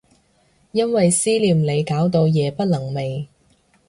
因為思念你搞到夜不能寐